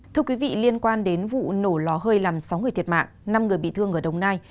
thưa quý vị liên quan đến vụ nổ lò hơi làm sáu người thiệt mạng năm người bị thương ở đồng nai